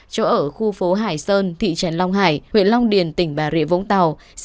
chỗ ở khu phố hải sơn thị trấn long hải huyện long điền tỉnh bà rịa vũng tàu